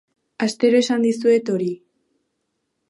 Astero esan dizuet hori.